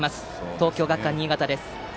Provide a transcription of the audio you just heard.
東京学館新潟です。